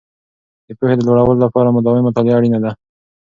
د پوهې د لوړولو لپاره مداوم مطالعه اړینې دي.